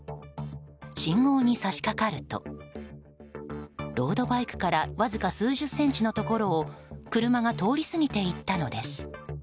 信号に差し掛かるとロードバイクからわずか数十センチのところを車が通り過ぎていったのです。